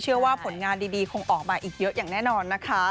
ว่าผลงานดีคงออกมาอีกเยอะอย่างแน่นอนนะคะ